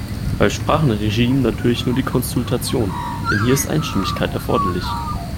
Beim Sprachenregime natürlich nur die Konsultation, denn hier ist Einstimmigkeit erforderlich.